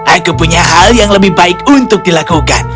aku punya hal yang lebih baik untuk dilakukan